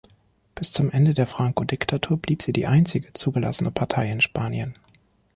Bis zum Ende der Franco-Diktatur blieb sie die einzige zugelassene Partei in Spanien.